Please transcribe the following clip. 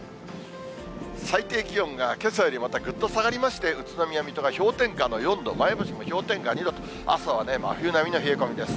最低気温が、けさより、またぐっと下がりまして、宇都宮、水戸が氷点下の４度、前橋も氷点下２度と、朝は真冬並みの冷え込みです。